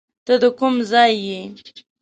ته د کوم ځای یې؟